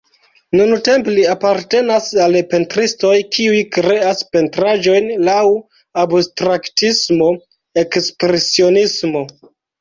Nuntempe li apartenas al pentristoj, kiuj kreas pentraĵojn laŭ abstraktismo-ekspresionismo.